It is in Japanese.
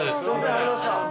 ありがとうございます。